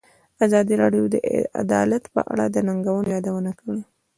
ازادي راډیو د عدالت په اړه د ننګونو یادونه کړې.